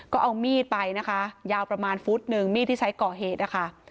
ก็เอามีดไปนะคะยาวประมาณฟุตหนึ่งมีดที่ใช้ก่อเหตุนะคะ